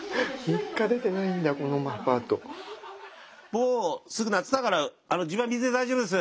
もうすぐ夏だから自分は水で大丈夫です。